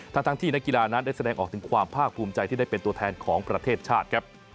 ทั้งที่นักกีฬานั้นได้แสดงออกถึงความภาคภูมิใจที่ได้เป็นตัวแทนของประเทศชาติครับ